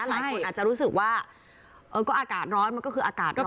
หลายคนอาจจะรู้สึกว่าเออก็อากาศร้อนมันก็คืออากาศร้อน